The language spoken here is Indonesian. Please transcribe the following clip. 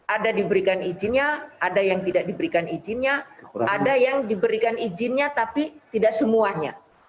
ada diberikan izinnya ada yang tidak diberikan izinnya ada yang diberikan izinnya tapi tidak semuanya